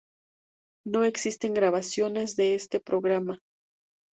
No existen grabaciones de este programa.